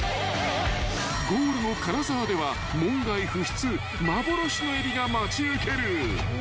［ゴールの金沢では門外不出幻のエビが待ち受ける］